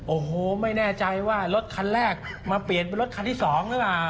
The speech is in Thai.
โอ้โหไม่แน่ใจว่ารถคันแรกมาเปลี่ยนเป็นรถคันที่๒หรือเปล่า